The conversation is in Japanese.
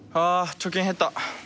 貯金減った。